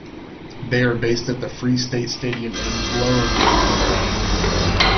They are based at the Free State Stadium in Bloemfontein.